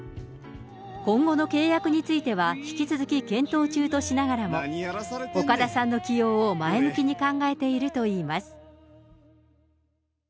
今後の契約については引き続き検討中としながらも、岡田さんの起用を前向きに考えているといいます。